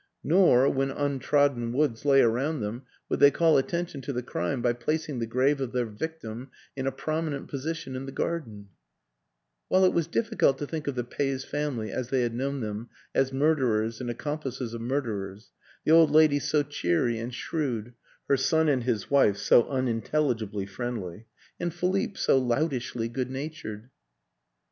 Nor, when untrod den woods lay around them, would they call at tention to the crime by placing the grave of their victim in a prominent position in the garden; while it was difficult to think of the Peys family, as they had known them, as murderers and accom plices of murderers: the old lady so cheery and shrewd, her son and his wife so unintelligibly friendly, and Philippe so loutishly good natured.